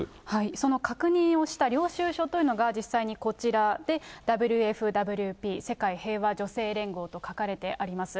その確認をした領収書というのが、実際にこちらで、ＷＦＷＰ・世界平和女性連合と書かれてあります。